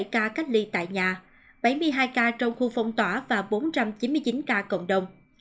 một trăm tám mươi bảy ca canh lì tại nhà bảy mươi hai ca trong khu phong tỏa và bốn trăm chín mươi chín ca cộng đồng